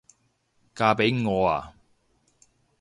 嫁畀我吖？